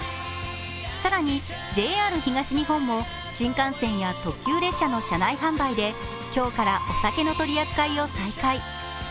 更にＪＲ東日本も新幹線や特急列車の車内販売で今日から、お酒の取り扱いを再開。